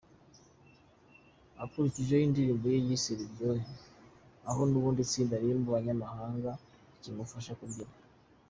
Akurikijeho indirimbo ye yise Biryogo aho n’ubundi itsinda ririmo abanyamahanga rikimufasha kubyina.